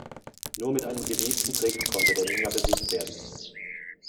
Nur mit einem gewieften Trick konnte der Ninja besiegt werden.